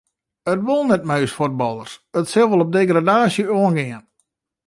It wol net mei ús fuotballers, it sil wol op degradaasje oangean.